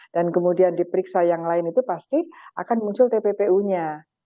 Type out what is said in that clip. dan kemudian diperiksa yang lain itu pasti akan muncul tppu nya